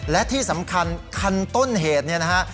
และที่สำคัญคันต้นเหตุ